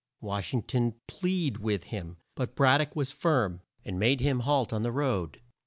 Wash ing ton plead with him, but Brad dock was firm, and made him halt on the road.